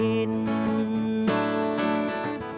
ขอบคุณครับ